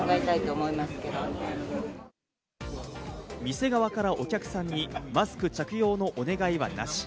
店側からお客さんにマスク着用のお願いはなし。